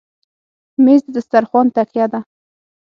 مېز د دسترخوان تکیه ده.